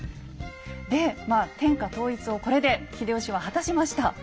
でまあ天下統一をこれで秀吉は果たしました。